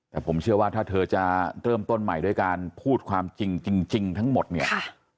แต่ผมเชื่อว่าถ้าเธอจะเริ่มต้นใหม่ด้วยการพูดความจริงจริงทั้งหมดเนี่ย